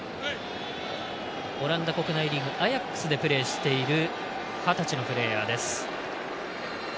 オランダ国内リーグアヤックスでプレーしている二十歳のプレーヤーです。